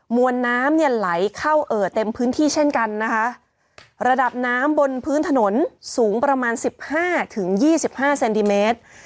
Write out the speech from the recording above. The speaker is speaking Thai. วนน้ำเนี่ยไหลเข้าเอ่อเต็มพื้นที่เช่นกันนะคะระดับน้ำบนพื้นถนนสูงประมาณสิบห้าถึงยี่สิบห้าเซนติเมตร